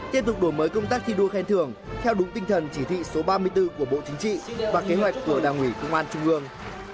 tiếp tục đổi mới công tác thi đua khen thưởng theo đúng tinh thần chỉ thị số ba mươi bốn của bộ chính trị và kế hoạch của đảng ủy công an trung ương